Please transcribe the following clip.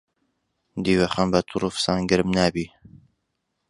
دیوەخان بە تڕ و فسان گەرم نابی.